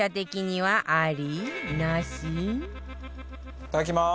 いただきまーす。